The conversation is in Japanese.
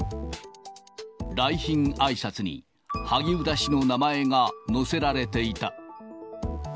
来賓あいさつに萩生田氏の名前が載せられていた。